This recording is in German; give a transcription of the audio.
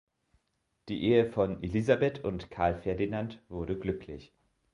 Die Ehe von Elisabeth und Karl Ferdinand wurde glücklich.